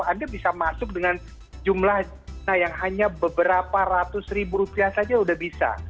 anda bisa masuk dengan jumlah yang hanya beberapa ratus ribu rupiah saja sudah bisa